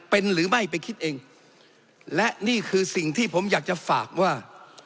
เป็นหรือไม่ไปคิดเองและนี่คือสิ่งที่ผมอยากจะฝากว่า